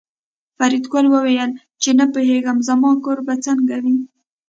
فریدګل وویل چې نه پوهېږم زما کور به څنګه وي